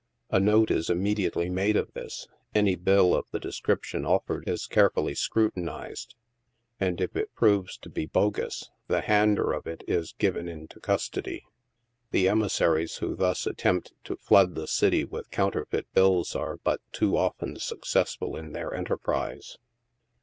A note is immediately made of this ; any bill of the description of fered is carefully scrutinized, and if it proves to be " bogus," the hander of it is given into custody. The emissaries who thus attempt to flood the city with counterfeit bills are but too often successful in their enterprise.